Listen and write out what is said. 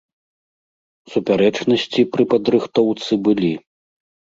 Супярэчнасці пры падрыхтоўцы былі.